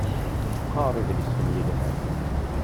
Qqar idlisen yelhan.